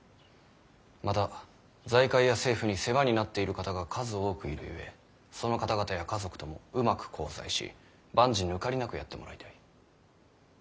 また財界や政府に世話になっている方が数多くいるゆえその方々や家族ともうまく交際し万事抜かりなくやってもらいたい。